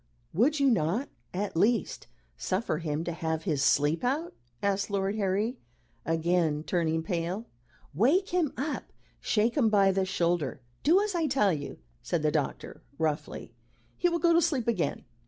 "Would you not at least suffer him to have his sleep out?" asked Lord Harry, again turning pale. "Wake him up. Shake him by the shoulder. Do as I tell you," said the doctor, roughly. "He will go to sleep again.